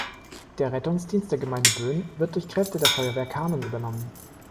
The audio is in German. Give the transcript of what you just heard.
Der Rettungsdienst der Gemeinde Bönen wird durch Kräfte der Feuerwehr Kamen übernommen.